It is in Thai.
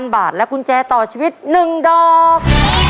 ๐บาทและกุญแจต่อชีวิต๑ดอก